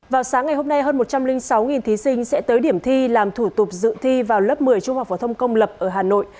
vào sáng ngày hôm nay hơn một trăm linh sáu thí sinh sẽ tới điểm thi làm thủ tục dự thi vào lớp một mươi trung học phổ thông công lập ở hà nội